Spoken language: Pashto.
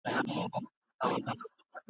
دغه ځوز مي له پښې وکاږه نور ستا یم ..